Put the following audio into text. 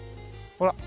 ほら。